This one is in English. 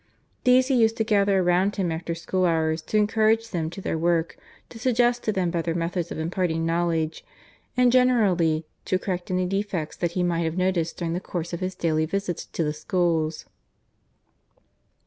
These he used to gather around him after school hours to encourage them to their work, to suggest to them better methods of imparting knowledge and generally to correct any defects that he might have noticed during the course of his daily visits to the schools.